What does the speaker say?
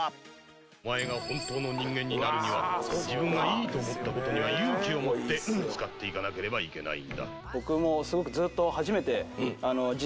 お前が本当の人間になるには自分がいいと思った事には勇気を持ってぶつかっていかなければいけないんだ。